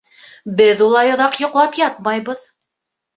— Беҙ улай оҙаҡ йоҡлап ятмайбыҙ.